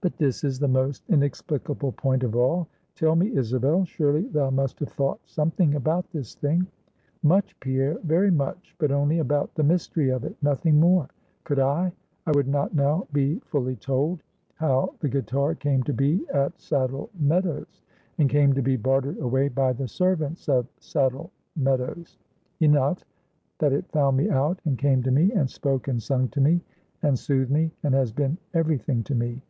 "But this is the most inexplicable point of all. Tell me, Isabel; surely thou must have thought something about this thing." "Much, Pierre, very much; but only about the mystery of it nothing more. Could I, I would not now be fully told, how the guitar came to be at Saddle Meadows, and came to be bartered away by the servants of Saddle Meadows. Enough, that it found me out, and came to me, and spoke and sung to me, and soothed me, and has been every thing to me."